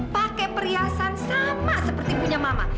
pake periasan sama seperti punya mama